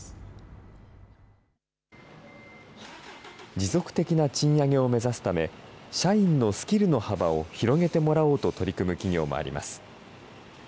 持続的な賃上げを目指すため、社員のスキルの幅を広げてもらおうと取り組む企業もあります。